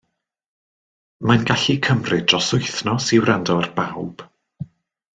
Mae'n gallu cymryd dros wythnos i wrando ar bawb